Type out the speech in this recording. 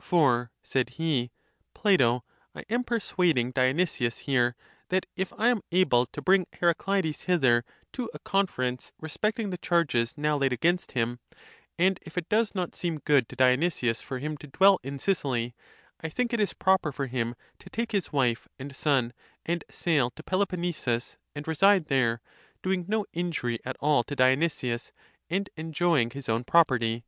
For, said he, Plato, I am persuading Dionysius here, that if I am able to bring Heracleides hither to a con ference respecting the charges now laid against him, and if it does not seem good (to Dionysius) for him to dwell in Sicily, I think it is proper for him to take his wife and son, and sail to Peloponnesus, and reside there, doing no injury at all to Dionysius, and enjoying his own property.